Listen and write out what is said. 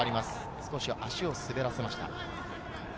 少し足を滑らせました。